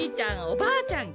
おばあちゃん